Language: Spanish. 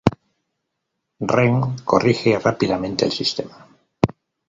Rem corrige rápidamente el sistema.